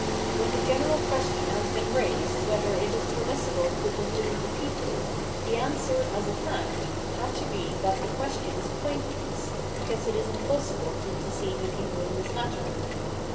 When the general question has been raised, whether it is permissible to delude a people, the answer, as a fact, had to be that the question is pointless, be cause it is impossible to deceive a people in this matter.